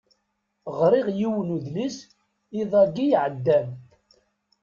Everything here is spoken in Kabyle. Ɣriɣ yiwen udlis iḍ-agi iɛeddan.